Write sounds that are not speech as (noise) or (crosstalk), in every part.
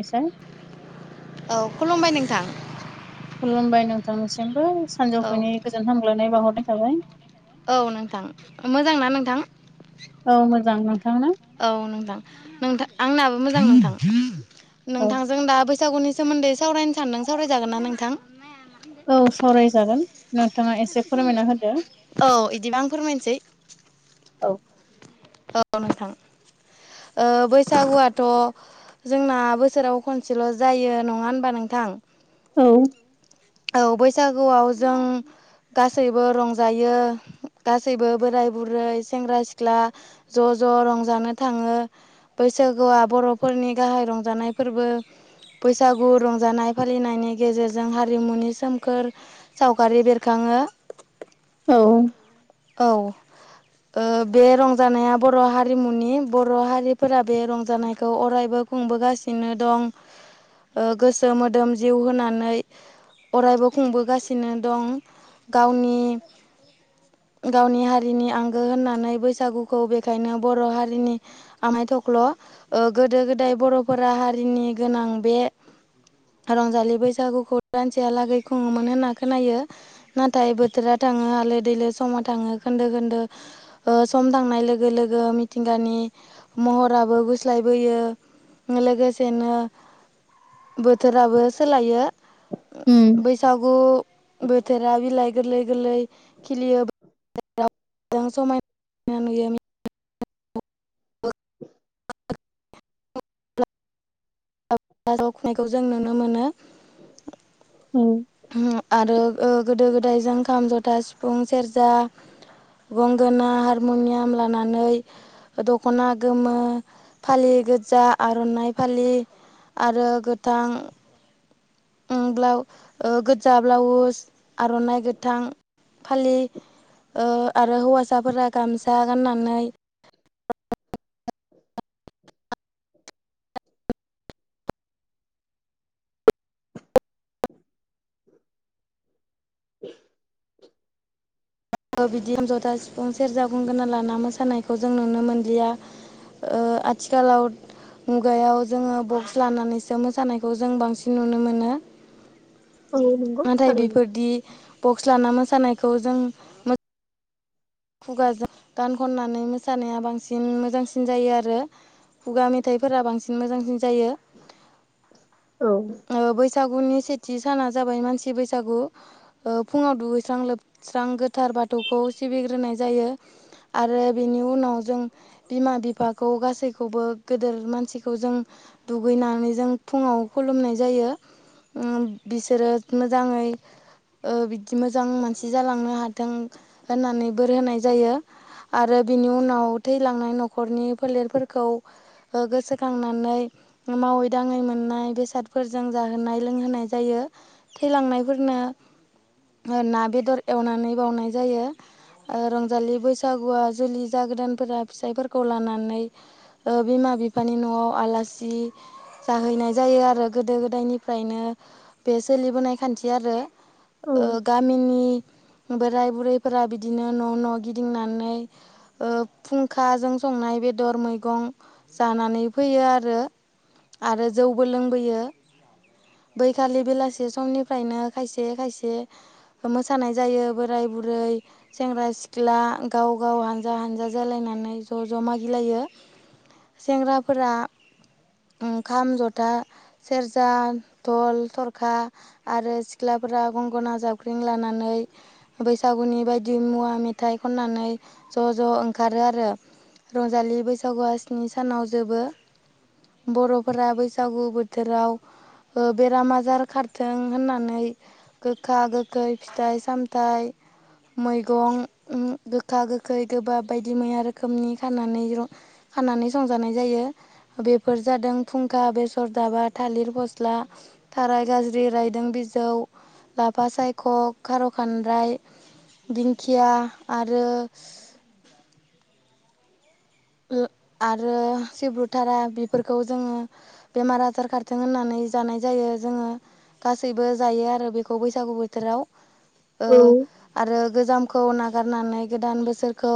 ए सार औ खुलुमबाय नोंथां। खुलुमबाय नोंथांसिमबो औ सानजौफुनि गोजोन हामग्लायनाय बाहरनाय थाबाय। औ नोंथां मोजांना नोंथां। औ मोजां नोंथांनो। औ नोंथां। नोंथां आंनाबो मोजां नोंथां औ नोंथांजों दा बैसागुनि सोमोन्दै सावरायनो सानदों सावरायजागोन ना नोंथां? औ सावरायजागोन नोंथाङा एसे फोरमायना होदो। औ बिदिबा आं फोरमायनोसै औ औ नोंथां ओ बैसागुवाथ' जोंना बोसोराव खनसेल' जायो नङा होनबा नोंथां औ औ बैसागुवाव जों गासैबो रंजायो गासैबो बोराइ बुरै सेंग्रा सिख्ला ज' ज' रंजानो थाङो। बैसागोआ बर'फोरनि गाहाइ रंजानाय फोरबो। बैसागु रंजानाय फालिनायनि गेजेरजों हारि हारिमुनि सोमखोर सावगारि बेरखाङो। औ। औ ओ बे रंजानाया बर' हारिमुनि बर' हारिफोरा बे रंजानायखौ अरायबो खुंबोगासिनो दं गोसो मोदोम जिउ होनानै अरायबो खुंबोगासिनो दं गावनि गावनि हारिनि आंगो होननानै बैसागुखौ बेखायनो बर' हारिनि आमाइ थख्ल' गोदो गोदाय बर'फोरा हारिनि गोनां बे रंजालि बैसागुखौ सानसेहालागै खुङोमोन होनना खोनायो नाथाय बोथोरा थाङो हालो दैलो समाव थाङो खोन्दो खोन्दो सम थांनाय लोगो लोगो मिथिंगानि महराबो गुस्लायबोयो लोगोसेनो बोथोराबो सोलायो उम बैसागु बोथोराव बिलाइ गोरलै गोरलै खिलियो समायना नुवो औ जावखुनायखौ जों नुनो मोनो। औ आरो गोदो गोदाय जों खाम जथा सिफुं सेरजा गंगोना हारम'नियाम लानानै दख'ना गोमो फालि गोजा आर'नाइ फालि आरो गोथां ब्लाउ गोजा ब्लाउस आर'नाइ गोथां फालि आरो हौवासाफोरा गामसा गाननानै (inaudible) बिदि खाम जथा सिफुं सेरजा गंगोना लाना मोसानायखौ जों नुनो मोनलिया ओ आथिखालाव मुगायाव जोङो बक्स लानानैसो मोसानायखौ जों बांसिन नुनो मोनो औ नंगौ नाथाय थारैनो बेफोरदि बक्स लाना मोसानायखौ जों खुगाजों गान खननानै मोसानाया बांसिन मोजांसिन जायो आरो। खुगा मेथाइफोरा बांसिन मोजांसिन जायो। औ ओ बैसागुनि सेथि साना जाबाय मानसि बैसागु फुङाव दुगैस्रां लोबस्रां गोथार बाथौखौ सिबिग्रोनाय जायो। आरो बेनि उनाव जों बिमा बिफाखौ गासैखौबो गेदेर मानसिखौ जों दुगैनानै जों फुङाव खुलुमनाय जायो उम बिसोरो मोजाङै ओ बिदि मोजां मानसि जालांनो हाथों होननानै बोर होनाय जायो। आरो बिनि उनाव थैलांनाय न'खरनि फोलेरफोरखौ गोसोखांनानै मावै-दाङै मोननाय बेसा सादफोरजों जाहोनाय लोंहोनाय जायो थैलांनायफोरनो ना बेदर एवनानै बावनाय जायो ओ रंजालि बैसागुआ जुलि जागोदानफोरा फिसायफोरखौ लानानै ओ बिमा बिफानि न'आव आलासि जाहैनाय जायो आरो गोदो गोदायनिफ्रायनो बे सोलिबोनाय खान्थि आरो औ गामिनि बोराय बुरैफोरा बिदिनो न' न' गिदिंनानै ओ फुंखाजों संनाय बेदर मैगं जानानै फैयो आरो। आरो जौबो लोंबोयो बैखालि बेलासि समनिफ्रायनो खायसे-खायसे मोसानाय जायो बोराय बुरै सेंग्रा सिख्ला गाव गाव हानजा हानजा जालायनानै ज' ज' मागिलायो सेंग्राफोरा ओंखाम ज'था सेरजा, धल, थरखा आरो सिख्लाफोरा गंगना जावख्रिं लानानै बैसागुनि बायदि मुवा मेथाइ खननानै ज' ज' ओंखारो आरो रंजालि बैसागुआ स्नि सानाव जोबो बर'फोरा बैसागु बो थोराव ओ बेराम आजार खारथों होननानै गोखा-गोखै फिथाइ-सामथाइ मैगं गोखा-गोखै, गोबाब बायदिमैया रोखोमनि खानानै फानानानै संजानाय जायो बेफोर जादों फुंखा बेसर जाबा थालिर फ'स्ला थाराय गाज्रि रायदों बिजौ लाफा सायख' खार' खानद्राय दिंखिया आरो आरो सिब्रुथारा बेफिरखौ जोङो बेमार-आजार खारथों होननानै जानाय जायो जोङो गासैबो जायो आरो बेखौ बैसागु बोथोराव ओ औ आरो गोजामखौ नागारनानै गोदान बोसोरखौ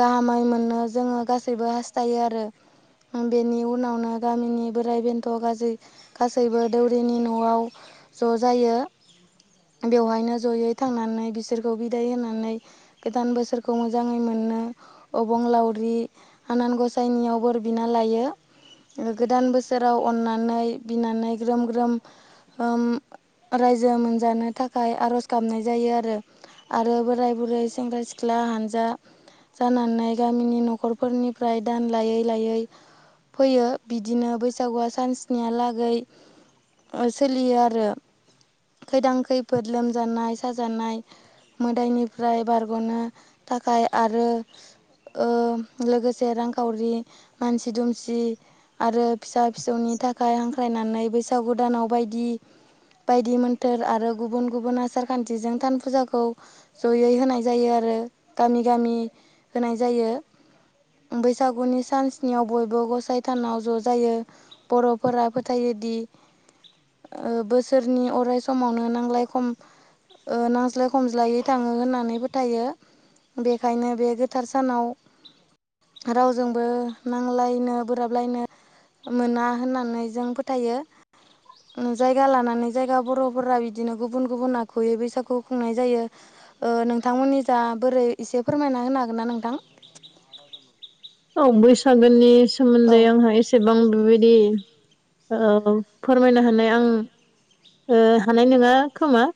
गाहामै मोननो जोङो गासैबो हास्थायो आरो बेनि उनावनो गामिनि बोराइ बेन्थ' गाज्रि गासैबो दौरिनि न'आव ज' जायो बेवहायनो ज'यै थांनानै बिसोरखौ बिदाय होनानै गोदान बोसोरखौ मोजाङै मोननो अबंलाव रि आनान ग'साइनियाव बोर बिना लायो गोदान बोसोराव अननानै बिनानै ग्रोम-ग्रोम उम रायजो मोनजानो थाखाय आर'ज गाबनाय जायो आरो आरो बोराय-बुरै सेंग्रा-सिख्ला हानजा जानानै गामिनि न' न'खरफोरनिफ्राय दान लायै-लायै फैयो बिदिनो बैसागुआ सानस्निहालागै सोलियो आरो खैदां खैफोद लोमजानाय-साजानाय मोदायनिफ्राय बारग'नो थाखाय आरो ओ लोगोसे रां खावरि मानसि-दुमसि खुसि आरो फिसा फिसौनि थाखाय हांख्रायनानै बैसागु दानाव बायदि बायदि मोन्थोर आरो गुबुन-गुबुन आसार खान्थिजों थान फुजाखौ ज'यै होनाय जायो आरो गामि-गामि होनाय जायो बैसागुनि सानस्नियाव बयबो ग'साइ थानाव ज' जायो बर'फोरा फोथायोदि बोसोरनि अराय समावनो नांलाय खम नांज्लाय खमज्लायै थाङो होननानै फोथायो बेखायनो बे गोथार सानाव रावजोंबो नांलायनो बोराबलायनो मोना होननानै जों फोथायो ओ जायगा लानानै जायगा बर'फोरा बिदिनो गुबुन गुबुन आखुयै बैसागु खुंनाय जायो ओ नोंथांमोननि जा बोरै एसे फोरमायना होनो हागोन ना नोंथां औ बैसागोनि औ सोमोन्दै आंहा एसे एसेबां बेबायदि फोरमायनो हानाय आं हानाय नङा खोमा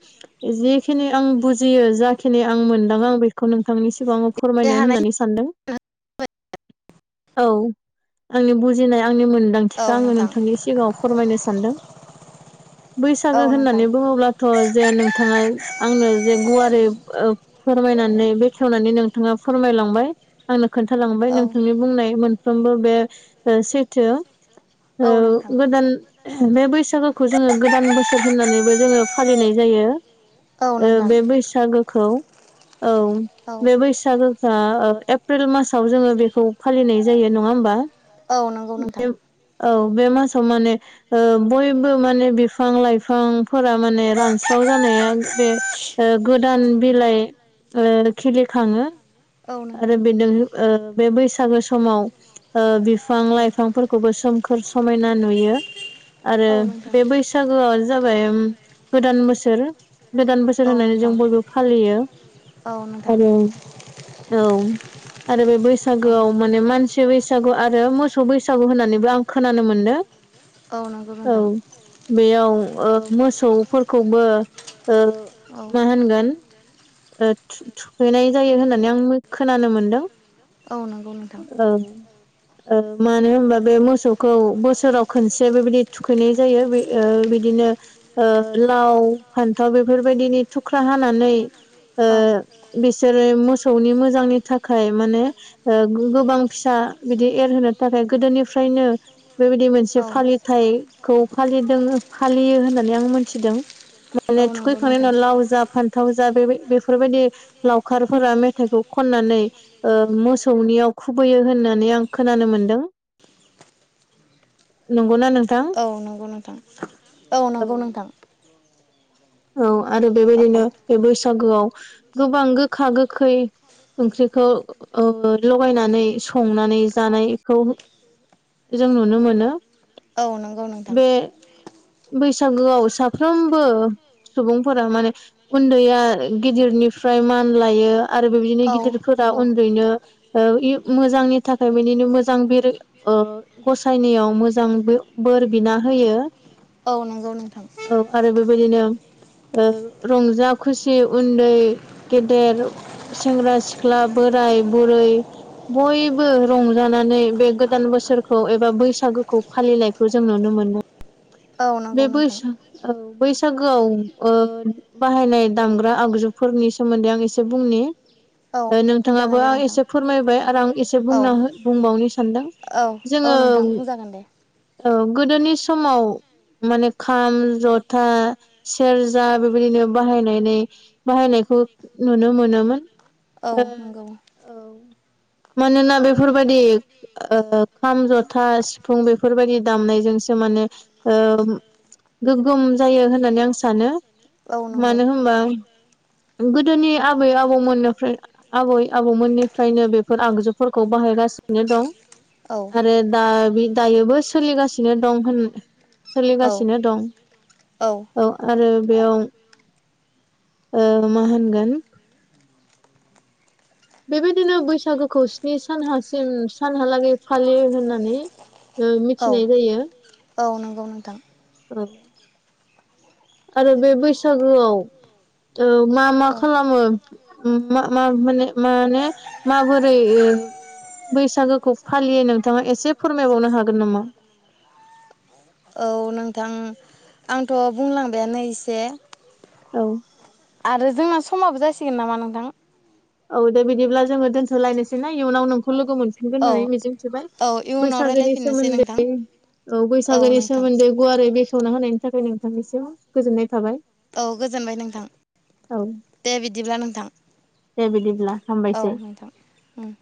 जिखिनि आं बुजियो जाखिनि आं मोनदां आं बेखौ खौ नोंथांमोननि सिगांआव आङो दे फोरमायनो हानाय होननानै सानदों औ आंनि बुजिनाय आंनि मोन औ गोनांथिखौ आङो नोंथां नोंथांनि सिगाङाव फोरमायनो सानदों औ बैसागो नोंथां होननानै बुङोब्लाथ' जे नों थाङा आंनो जे गुवारै ओ फोरमायनानै बेखेवनानै नोंथाङा फोरमायलांबाय आंनो खोन्थ खालामांबाय औ नोंथांनि बुंनाय मोनफ्रोमबो बे ओ सैथो ओ औ नोंथां गोदान बे बैसागोखौ जोङो गोदान बोसोर होननानैबो जोङो फालिनाय जायो औ ओ नोंथां बे बैसागोखौ औ औ बे बैसागु सागोफ्रा एप्रिल मासाव जोङो बेखौ फालिनाय जायो नङा होमबा औ नंगौ नोंथां बे औ बे मासाव माने ओ बयबो माने बिफां लाइफांफोरा माने रानस्राव जानाया बे ओ गोदान बिलाइ ओ खिलिखाङो औ नोंथां आरो बेदों बे बैसागो समाव ओ बिफां औ लाइफांफोरखौबो सोमखोर समायना नुयो आरो औ नोंथां बे बैसा सागोआ जाबाय गोदान बोसोर गोदान बोसोर औ होननानै नोंथां जों बयबो फालियो औ नोंथां आरो औ आरो बे औ बैसागोआव माने मानसि बैसागु आरो मोसौ बैसागु होननानैबो आं खोनानो मोनदों नंगौ औ नोंथां बेयाव ओ मोसौफोरखौबो ओ औ मा होनगोन ओ थु-थुखैनाय जायो होननानै आं खोनानो मोनदों औ नंगौ नोंथां औ ओ मानो होनबा बे मोसौखौ बोसोराव खनसे बेबायदि थुखैनाय जायो बे ओ बिदिनो ओ लाव फान्थाव बेफोरबायदिनि थुख्रा हानानै ओ औ बिसोरो मोसौनि मोजांनि थाखाय माने ओ गोबां फिसा बिदि एरहोनो थाखाय गोदोनिफ्रायनो बेबायदि मोनसे फालि थायखौ फालिदों फालियो होननानै आं मोनथिदों माने फोरबो फालिनाय थुखैखांनायनि जायो। उनाव लाव जा फान्थाव जा बेबा- बेफोरबायदि लावखारफोरा मे थाइखौ खन्नानै ओ मोसौनियाव खुबैयो होननानै आं खोनानो मोनदों नंगौना नोंथां औ नंगौ नोंथां औ नंगौ नोंथां औ आरो औ बेबायदिनो बे बैसागोआव गोबां गोखा गोखै ओंख्रिखौ ओ लगायनानै संनानै जानायखौ जों नुनो मोनो औ नंगौ नोंथां बे बैसागुआव साफ्रोमबो सुबुंफोरा माने उन्दैया गिदिरनिफ्राय मान लायो आरो बेबायदिनो औ गिदिरफोरा नंगौ उन्दैनो ओ इउ मोजांनि थाखाय बिदिनो मोजां बिर ओ गसायनायाव मोजां बो-बोर बिना होयो औ नंगौ नोंथां औ आरो बेबायदिनो रंजा खुसि उन्दै गेदेर सेंग्रा सिख्ला बोराय बुरै बयबो रंजानानै बे गोदान बोसोरखौ एबा बैसागोखौ फालिनायखौ जों नुनो मोनो औ नंगौ बे बैस नोंथां औ बैसागोआव ओ बाहायनाय दामग्रा आगजुफोरनि सोमोन्दै आं एसे बुंनि औ ओ बुंजागोन नोंथाङाबो दे आं नोंथां एसे फोरमायबाय आरो आं एसे औ बुंना बुंबावनो सानदों औ औ जोङो नोंथां बुंजागोन दे औ गोदोनि समाव माने खाम जथा सेरजा बेबायदिनो बाहायनानै बाहायनायखौ नुनो मोनोमोन औ नंगौ औ मानोना बेफोरबायदि खाम जथा सिफुं बेफोरबायदि दामनायजोंसो माने गोगोम जायो होननानै आं सानो औ नंगौ मानो होमबा गोदोनि आबै आबौमोननिफ्राय आबै आबौमोननिफ्रायनो बेफोर आगजुफोरखौ बाहायगासिनो दं औ आरो दा दायोबो सोलिगासिनो दं होन औ सोलिगासिनो दं औ आरो बेयाव मा होनगोन बेबायदिनो बैसागोखौ स्नि सानहासिम सानहालागै फालियो होननानै औ मिथिनाय जायो औ नंगौ नोंथां (unintelligible) आरो बे बैसागोआव मा मा औ खालामो मा माने माबोरै बैसागोखौ फालियो नोंथाङा एसे फोरमायबावनो हागोन नामा औ नोंथां आंथ' बुंलांबायानो एसे औ आरो जोंना समाबो जासिगोन नामा नोंथां औ दे बिदिब्ला जोङो दोनथलायनोसै ना इयुनाव नोंखौ लोगो मोनफिन- गोन औ होननानै मिजिंथिबाय औ इयुनाव बैसागोनि रायलायफिननोसै नोंथां सोमोन्दै औ औ बैसागोनि नोंथां सोमोन्दै गुवारै बेखेवना होनायनि थाखाय नोंथांनिसिम गोजोननाय थाबाय औ गोजोनबाय नोंथां औ दे बिदिब्ला नोंथां दे बिदिब्ला औ हामबायसै नोंथां उम